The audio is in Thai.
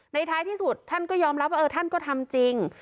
ท้ายที่สุดท่านก็ยอมรับว่าท่านก็ทำจริง